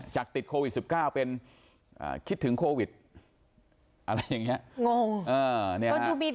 จากติดโควิด๕เป็นคิดถึงโควิด๕อะไรอย่างอย่างเนี่ย